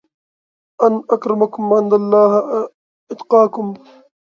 ان اکرمکم عندالله اتقاکم